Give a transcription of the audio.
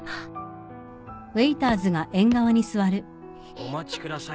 ・お待ちください